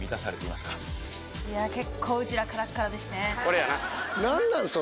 結構うちらカラッカラですね。